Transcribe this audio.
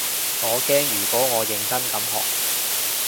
我驚如果我認真咁學